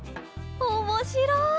おもしろい！